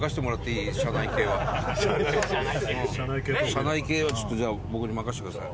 車内系はちょっとじゃあ僕に任せてください。